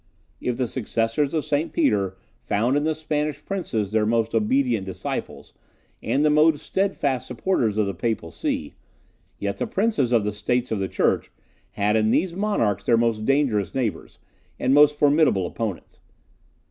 If the successors of St. Peter found in the Spanish princes their most obedient disciples, and the most steadfast supporters of the Papal See, yet the princes of the States of the Church had in these monarchs their most dangerous neighbours, and most formidable opponents.